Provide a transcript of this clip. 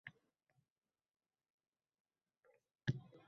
Uni shaxsan Somon Somonovichning o`zlari o`tkazadilar